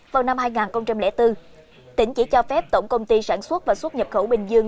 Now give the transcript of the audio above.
vào năm hai nghìn bốn tỉnh chỉ cho phép tổng công ty sản xuất và xuất nhập khẩu bình dương